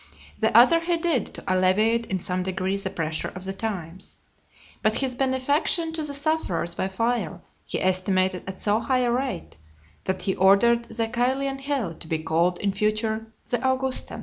The other he did to alleviate in some degree the pressure of the times. But his benefaction to the sufferers by fire, he estimated at so high a rate, that he ordered the Caelian Hill to be called, in future, the Augustan.